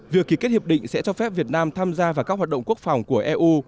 việc ký kết hiệp định sẽ cho phép việt nam tham gia vào các hoạt động quốc phòng của eu